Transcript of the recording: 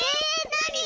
なに？